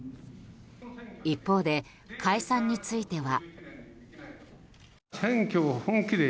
一方で、解散については。